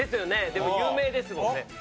でも有名ですもんね。